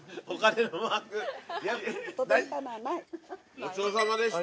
ごちそうさまでした。